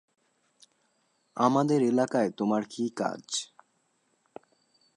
আমাদের এলাকায় তোমার কী কাজ?